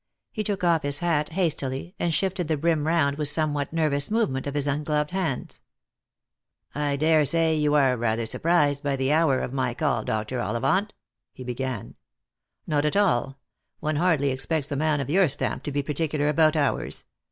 He took off his hat hastily, and shifted the brim round with a some what nervous movement of his ungloved hands. " I daresay you are rather surprised by the hour of my call, Dr. Ollivant P " he began. " Not at all ; one hardly expects a man of your stamp to be particular about hours.